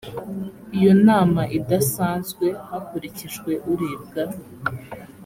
iyo nama idasanzwe hakurikijwe urebwa